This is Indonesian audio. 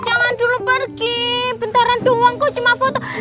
jangan dulu pergi bentaran doang kok cuma foto